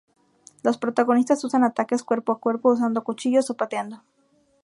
Los protagonistas usan ataques cuerpo-a-cuerpo usando cuchillos o pateando.